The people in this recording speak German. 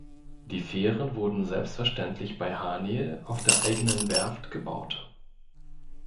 Die Fähren wurden selbstverständlich bei Haniel auf der eigenen Werft gebaut.